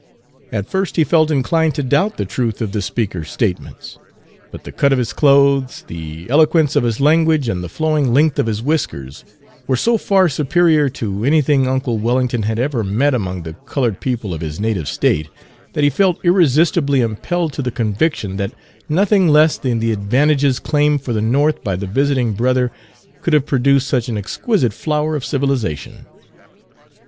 At first he felt inclined to doubt the truth of the speaker's statements; but the cut of his clothes, the eloquence of his language, and the flowing length of his whiskers, were so far superior to anything Page 206 uncle Wellington had ever met among the colored people of his native State, that he felt irresistibly impelled to the conviction that nothing less than the advantages claimed for the North by the visiting brother could have produced such an exquisite flower of civilization.